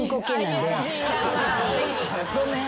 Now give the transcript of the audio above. ごめん。